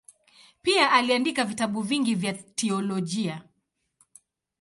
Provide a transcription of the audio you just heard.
Pia aliandika vitabu vingi vya teolojia.